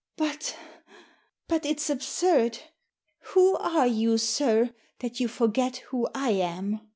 "But — but it's absurd! Who are you, sir, that you forget who I am